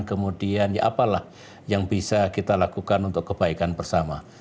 kemudian ya apalah yang bisa kita lakukan untuk kebaikan bersama